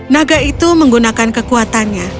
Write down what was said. naga itu menggunakan kekuatannya